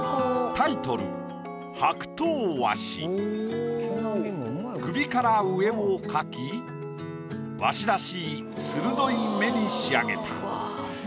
タイトル首から上を描きワシらしい鋭い目に仕上げた。